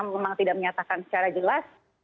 memang tidak menyatakan secara jelas